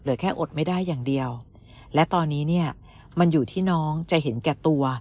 แค่อดไม่ได้อย่างเดียวและตอนนี้เนี่ยมันอยู่ที่น้องจะเห็นแก่ตัว